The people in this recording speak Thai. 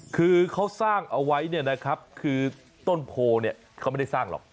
คือเขาสร้างเอาไว้เนี่ยนะครับคือต้นโพเนี่ยเขาไม่ได้สร้างหรอก